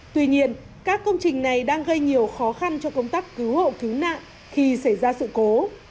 tuy nhiên các công trình này đang gây nhiều khó khăn cho công tác cứu hộ cứu nạn khi xảy ra sự cố